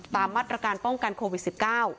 ตามมาตรการป้องกันโควิด๑๙